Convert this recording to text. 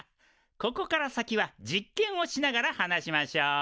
ここから先は実験をしながら話しましょう。